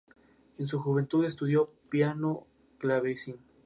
En su juventud estudió piano y clavecín.